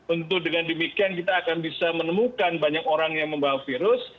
untuk dengan demikian kita akan bisa menemukan banyak orang yang membawa virus